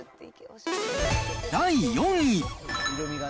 第４位。